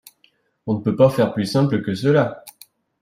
On ne peut pas faire plus simple que cela.